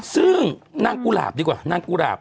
ซึ่งนางกุหลาบดีกว่านางกุหลาบ